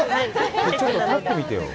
ちょっと立ってみてよ。